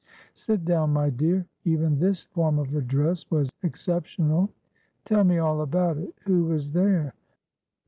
"Sit down, my dear." Even this form of address was exceptional. "Tell me all about it. Who was there?"